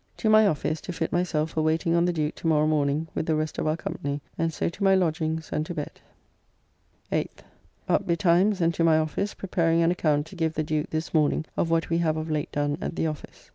To my office, to fit myself for waiting on the Duke to morrow morning with the rest of our company, and so to my lodgings and to bed. 8th. Up betimes and to my office preparing an account to give the Duke this morning of what we have of late done at the office.